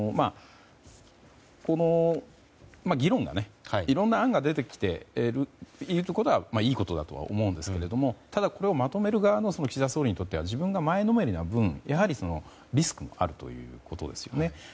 この議論がいろんな案が出てきていることはいいことだとは思いますがただ、これをまとめる側の岸田総理にとっては自分が前のめりな分やはり、リスクもあるということですよね。